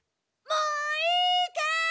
もういいかい？